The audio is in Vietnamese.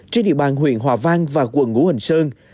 trên địa bàn huyện hòa vang và quận ngũ hành sơn